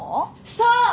そう！